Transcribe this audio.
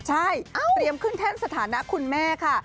ใช่เตรียมขึ้นแท่นสถานะคุณแม่ค่ะ